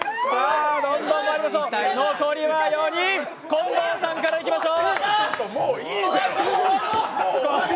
残りは４人、近藤さんからいきましょう。